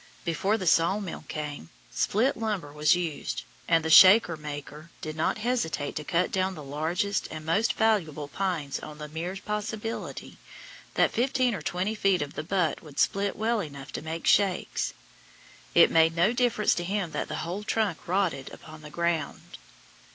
Before the sawmill came split lumber was used, and the shake maker did not hesitate to cut down the largest and most valuable pines on the mere possibility that fifteen or twenty feet of the butt would split well enough to make shakes. It made no difference to him that the whole trunk rotted upon the ground.